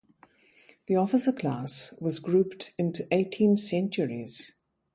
The officer class was grouped into eighteen Centuries.